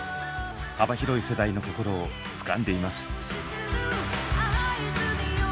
幅広い世代の心をつかんでいます。